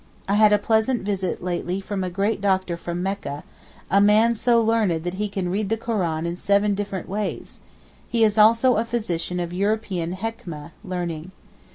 I had a pleasant visit lately from a great doctor from Mecca—a man so learned that he can read the Koran in seven different ways, he is also a physician of European Hekmeh (learning).